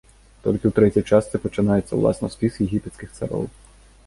Толькі ў трэцяй частцы пачынаецца ўласна спіс егіпецкіх цароў.